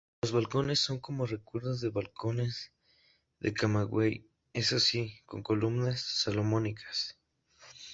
Los balcones son como recuerdo de balcones de Camagüey, eso sí, con columnas salomónicas.